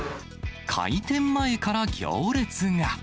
開店前から行列が。